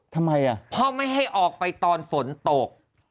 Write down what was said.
ทำไมพ่อไม่ให้ออกไปตอนฝนตก